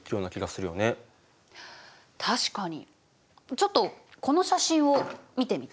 ちょっとこの写真を見てみて。